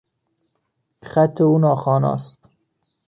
خط او ناخوانا است.